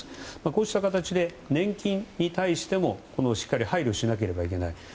こうした形で年金に対してもしっかり配慮しなければいけない